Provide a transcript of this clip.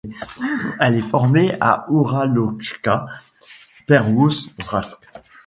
Elle est formée au Ouralotchka Pervoouralsk.